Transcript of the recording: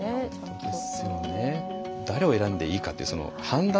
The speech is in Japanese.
誰を選んでいいかという判断